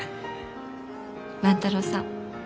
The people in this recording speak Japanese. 万太郎さん